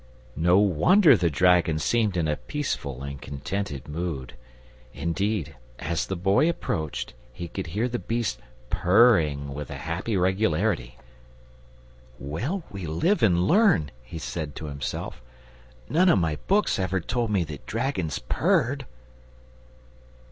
No wonder the dragon seemed in a peaceful and contented mood; indeed, as the Boy approached he could hear the beast purring with a happy regularity. "Well, we live and learn!" he said to himself. "None of my books ever told me that dragons purred!"